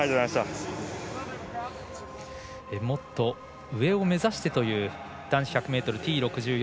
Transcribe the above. もっと上を目指してという男子１００ｍＴ６４。